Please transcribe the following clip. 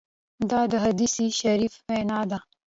دا د حدیث شریف وینا ده.